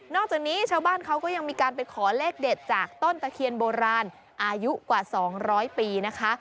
จากนี้ชาวบ้านเขาก็ยังมีการไปขอเลขเด็ดจากต้นตะเคียนโบราณอายุกว่า๒๐๐ปีนะคะ